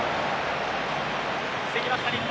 防ぎました日本。